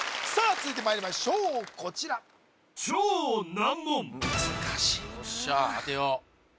続いてまいりましょうこちら・難しいなよっしゃ当てよう